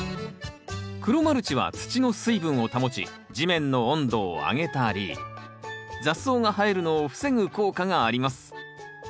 黒マルチは土の水分を保ち地面の温度を上げたり雑草が生えるのを防ぐ効果があります。